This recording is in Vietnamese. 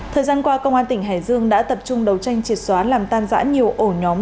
thời gian qua công an tỉnh hải dương đã tập trung đấu tranh triệt xóa làm tan giã nhiều ổ nhóm